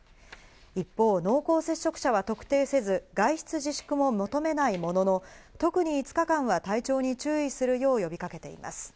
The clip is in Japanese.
一方、濃厚接触者は特定せず外出自粛も求めないものの、特に５日間は体調に注意するよう呼びかけています。